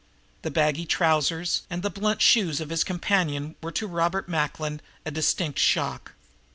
The bagging trousers and the blunt toed shoes of his companion were to Robert Macklin a distinct shock.